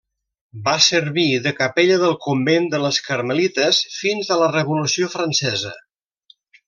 Va servir de capella del convent de les Carmelites fins a la Revolució francesa.